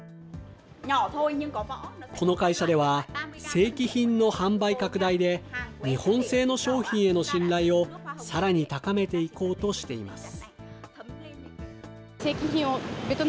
この会社では、正規品の販売拡大で、日本製の商品への信頼をさらに高めていこうとしています。